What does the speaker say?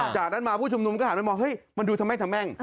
จากนั้นมาผู้ชุมนุมก็หาแม่งมันดูแม่ง